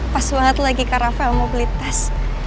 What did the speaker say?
pas banget lagi karafail mau beli tes